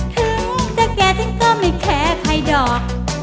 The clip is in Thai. ถึงเจ้าแก่จริงก็ไม่แคร์ใครดอก